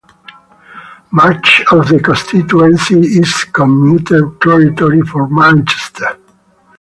Much of the constituency is commuter territory for Manchester.